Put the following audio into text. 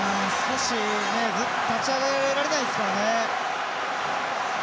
立ち上がれないですからね。